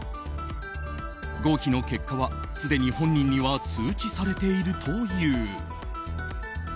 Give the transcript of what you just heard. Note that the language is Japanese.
合否の結果は、すでに本人には通知されているという。